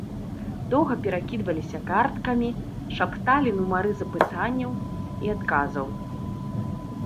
Доўга перакідваліся карткамі, шапталі нумары запытанняў і адказаў.